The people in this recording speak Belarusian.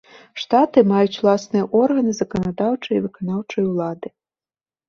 Штаты маюць уласныя органы заканадаўчай і выканаўчай улады.